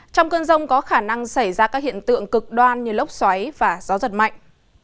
trong cơn rông có khả năng xảy ra các hiện tượng cực đoan như lốc xoáy và gió giật mạnh